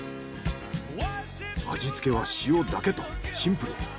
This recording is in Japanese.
味付けは塩だけとシンプル。